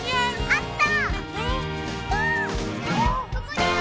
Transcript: あった！